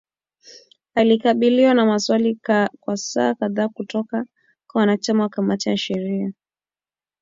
Alikabiliwa na maswali kwa saa kadhaa kutoka kwa wanachama wa kamati ya sheria.